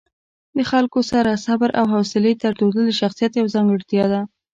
د خلکو سره د صبر او حوصلې درلودل د شخصیت یوه ځانګړتیا ده.